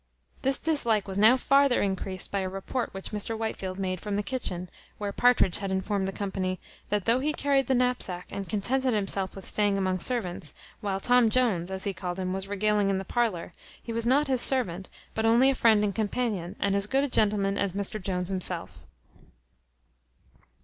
This dislike was now farther increased by a report which Mr Whitefield made from the kitchen, where Partridge had informed the company, "That though he carried the knapsack, and contented himself with staying among servants, while Tom Jones (as he called him) was regaling in the parlour, he was not his servant, but only a friend and companion, and as good a gentleman as Mr Jones himself."